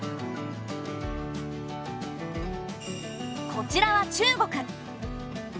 こちらは中国。